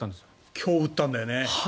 今日、打ったんだよね。